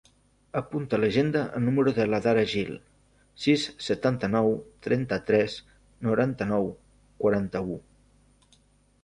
Apunta a l'agenda el número de l'Adhara Gil: sis, setanta-nou, trenta-tres, noranta-nou, quaranta-u.